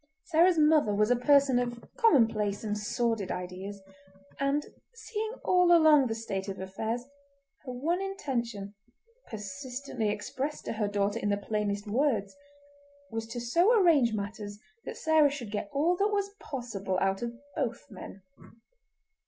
Sarah's mother was a person of commonplace and sordid ideas, and, seeing all along the state of affairs, her one intention, persistently expressed to her daughter in the plainest words, was to so arrange matters that Sarah should get all that was possible out of both men.